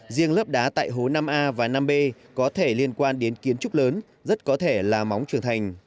riêng lớp đá tại hố năm a và năm b có thể liên quan đến kiến trúc lớn rất có thể là móng trưởng thành